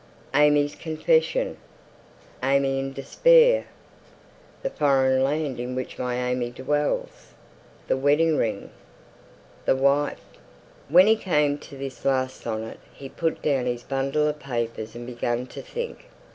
"AimÄe's Confession." "AimÄe in Despair." "The Foreign Land in which my AimÄe dwells." "The Wedding Ring." "The Wife." When he came to this last sonnet he put down his bundle of papers and began to think.